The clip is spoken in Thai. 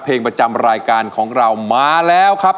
เพลงประจำรายการของเรามาแล้วครับ